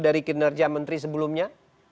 dari kinerja menteri sebelumnya